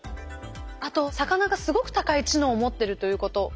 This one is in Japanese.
あと魚がすごく高い知能を持ってるということ。